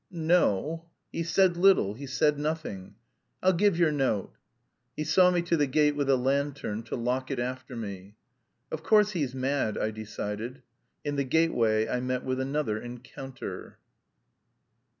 "N no. He said little; he said nothing. I'll give your note." He saw me to the gate with a lantern, to lock it after me. "Of course he's mad," I decided. In the gateway I met with another encounter.